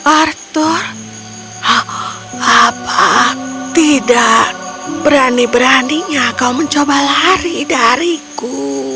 arthur apa tidak berani beraninya kau mencoba lari dariku